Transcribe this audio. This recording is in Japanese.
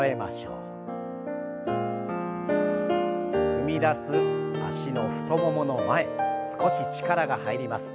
踏み出す脚の太ももの前少し力が入ります。